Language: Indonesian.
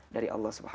dari allah swt